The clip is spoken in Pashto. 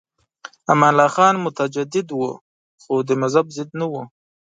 امان الله خان متجدد و خو د مذهب ضد نه و.